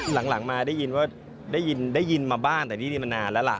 หลังมาได้ยินว่าได้ยินมาบ้างแต่นี่มันนานแล้วล่ะ